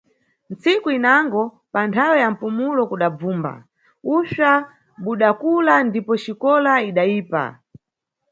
Ntsiku inango, panthawe ya mpumulo kudabvumba; usva budakula ndipo xikola idayipa.